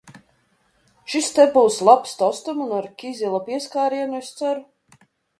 Šis te būs labs tostam un ar kizila pieskārienu, es ceru?